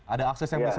ada akses yang bisa